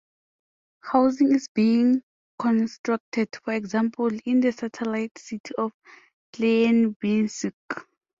Housing is being constructed, for example in the satellite city of Chelyabinsk.